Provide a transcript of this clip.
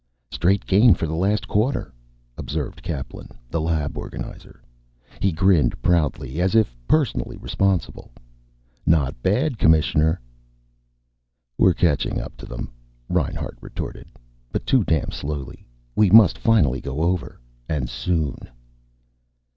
"Straight gain for the last quarter," observed Kaplan, the lab organizer. He grinned proudly, as if personally responsible. "Not bad, Commissioner." "We're catching up to them," Reinhart retorted. "But too damn slowly. We must finally go over and soon."